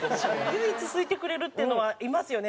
唯一好いてくれるっていうのはいますよね